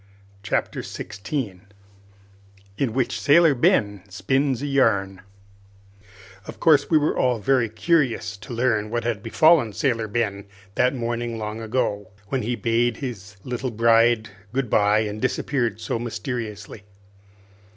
Chapter Sixteen In Which Sailor Ben Spins a Yarn Of course we were all very curious to learn what had befallen Sailor Ben that morning long ago, when he bade his little bride goodby and disappeared so mysteriously.